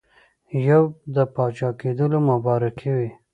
یو د پاچاکېدلو مبارکي وي.